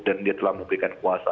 dan dia telah memulihkan kuasa